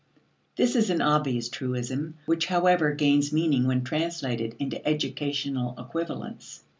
This is an obvious truism, which however gains meaning when translated into educational equivalents.